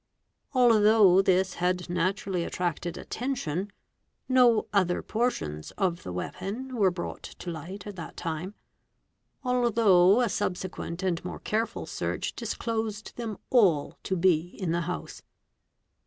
Although this had naturally attracted attention, no other portions of the weapon were brought to light at that time, although a subsequent and more careful search disclosed them all to be 'in the house.